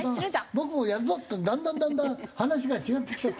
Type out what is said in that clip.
「僕もやるぞ」ってだんだんだんだん話が違ってきちゃった。